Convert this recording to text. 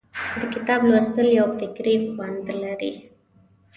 د کتاب لوستل یو فکري خوند لري.